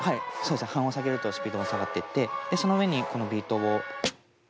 半音下げるとスピードが下がっていってその上にこのビートを。